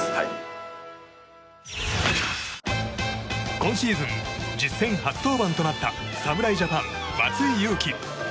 今シーズン実戦初登板となった侍ジャパン、松井裕樹。